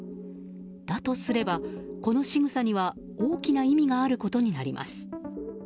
だとすれば、このしぐさには大きな意味があることになります。